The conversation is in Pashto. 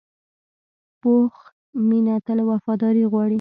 پوخ مینه تل وفاداري غواړي